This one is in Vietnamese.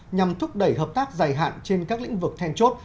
nhằm thúc đẩy hợp tác dài hạn trên các lĩnh vực then chốt